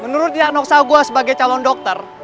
menurut diagnosa gue sebagai calon dokter